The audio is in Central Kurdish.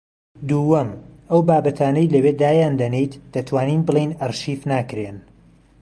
دووەم: ئەو بابەتانەی لەوێ دایان دەنێیت دەتوانین بڵێین ئەرشیف ناکرێن